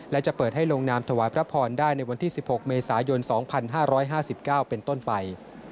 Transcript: และจะเปิดให้ลงนามถวายพระพรได้ในวันที่๑๖เมษายน๒๕๕๙เป็นต้นไป